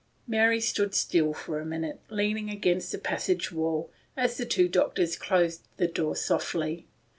Mary stood still for a minute, leaning against the passage wall, as the two doctors closed the door softly.